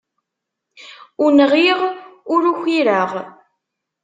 Ur nɣiɣ, ur ukireɣ.